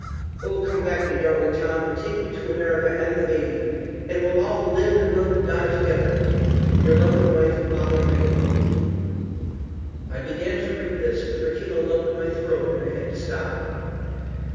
O come back my Darlin tom and take me to America an the baby an weel all live an love an di together "Your loving wife Polley Reed." I began to read this, but there came a lump in my throat, and I had to stop.